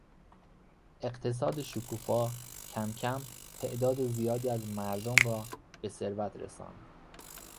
اقتصاد شکوفا کم کم تعداد زیادی از مردم را به ثروت رساند.